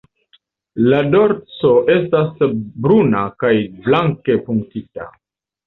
La dorso estas bruna kaj blanke punktita.